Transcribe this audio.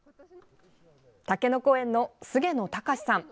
たけのこ園の菅野隆さん。